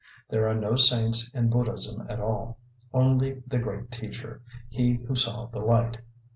There are no saints in Buddhism at all, only the great teacher, he who saw the light.